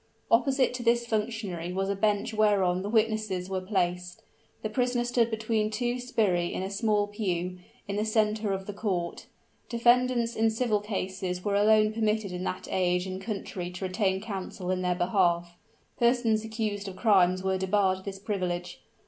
Opposite to this functionary was a bench whereon the witnesses were placed. The prisoner stood between two sbirri in a small pew, in the center of the court. Defendants in civil cases were alone permitted in that age and country to retain counsel in their behalf; persons accused of crimes were debarred this privilege.